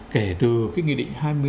kể từ cái nghị định hai mươi bốn